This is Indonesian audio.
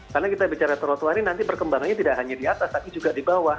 karena kita bicara protowari nanti berkembangannya tidak hanya di atas tapi juga di bawah